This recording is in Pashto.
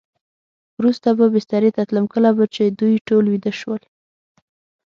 وروسته به بسترې ته تلم، کله چې به دوی ټول ویده شول.